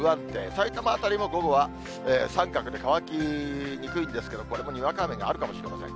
さいたま辺りも午後は三角で乾きにくいんですけど、これもにわか雨があるかもしれません。